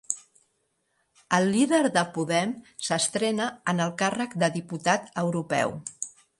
El líder de Podem s'estrena en el càrrec de diputat europeu